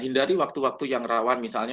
hindari waktu waktu yang rawan misalnya